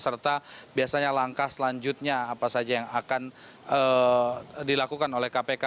serta biasanya langkah selanjutnya apa saja yang akan dilakukan oleh kpk